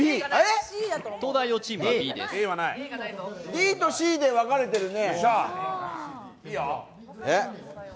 ＤとＣで分かれてるね。